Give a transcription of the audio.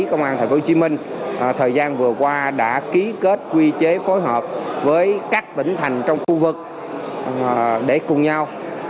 công an tp hcm thời gian vừa qua đã ký kết quy chế phối hợp với các tỉnh thành trong khu vực để cùng nhau